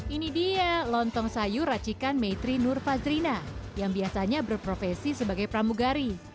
ini dia lontong sayur racikan maytri nur fazrina yang biasanya berprofesi sebagai pramugari